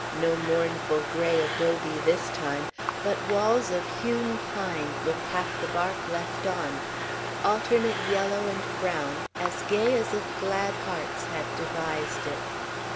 No mournful gray adobe this time, but walls of hewn pine, with half the bark left on; alternate yellow and brown, as gay as if glad hearts had devised it.